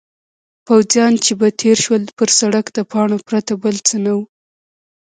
پوځیان چې به تېر شول پر سړک د پاڼو پرته بل څه نه وو.